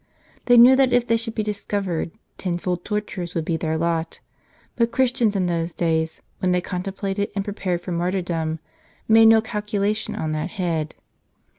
They knew that if they should be discov ered, tenfold tortui es would be their lot; but Christians in those days, when they contemplated and pi epared for martyr dom, made no calculation on that head.